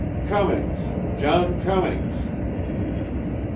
"Cummings John Cummings."